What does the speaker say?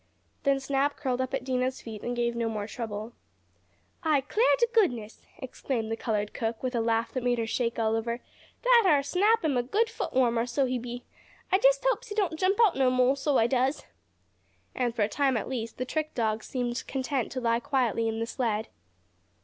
Then Snap curled up at Dinah's feet and gave no more trouble. "I 'clar t' goodness!" exclaimed the colored cook, with a laugh that made her shake all over, "dat ar' Snap am a good foot warmer, so he be. I jest hopes he don't jump out no mo', so I does." And, for a time at least, the trick dog seemed content to lie quietly in the sled.